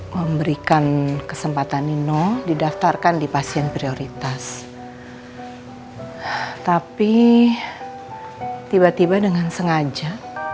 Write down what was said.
memberikan kesempatan nino didaftarkan di pasien prioritas tapi tiba tiba dengan sengaja